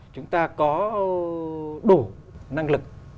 chúng ta có đủ năng lực